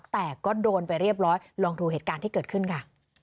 แต่ก็โดนไปเรียบร้อยลองดูเหตุการณ์ที่เกิดขึ้นค่ะ